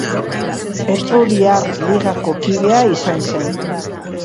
Etruriar Ligako kidea izan zen.